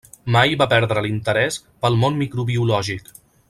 Mai va perdre l'interès pel món microbiològic.